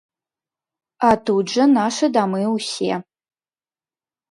А тут жа нашы дамы ўсе.